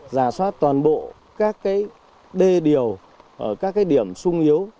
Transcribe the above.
giả soát toàn bộ các cái đê điều các cái điểm sung yếu